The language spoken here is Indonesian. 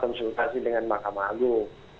konsultasi dengan makam agung